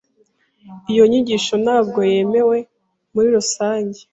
Iyo nyigisho ntabwo yemewe muri rusange.